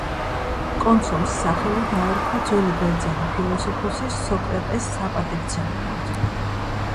კონსოლს სახელი დაერქვა ძველი ბერძენი ფილოსოფოსის, სოკრატეს საპატივცემულოდ.